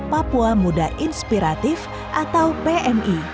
papua muda inspiratif atau pmi